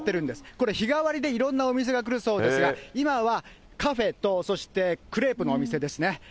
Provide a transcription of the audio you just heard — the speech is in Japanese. これ、日替わりでいろんなお店が来るそうですが、今はカフェと、そしてクレープのお店ですね。